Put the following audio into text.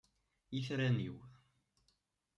Itran-iw!